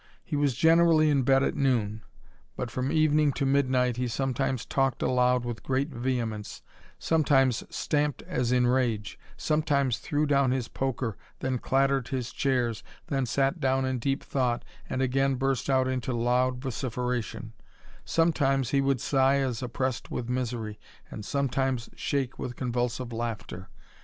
He was generally in bed at noon; but from evening to midnight he sometimes talked aloud with great vehemence^ sometimes stamped as in rage, sometimes threw down his poker, then clattered his chairs, then sat down in deep thought, and again burst out into loud vociferation ; som^' times he would sigh as oppressed with misery, and sometime^ shake with convulsive laughter.